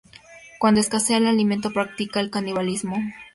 Cuando escasea el alimento, practica el canibalismo.